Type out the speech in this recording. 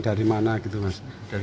dari mana gitu mas